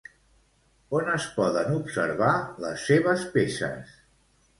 On es poden observar les seves peces?